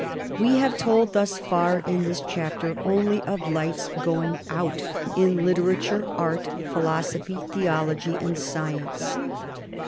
We have told thus far, in this chapter, only of lights going out in literature, art, philosophy, theology, and science.